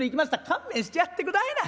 勘弁してやってくださいな。